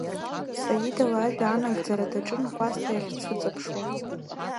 Саида лажәа анагӡара даҿын, Кәасҭа иахь дцәыҵыԥшуа…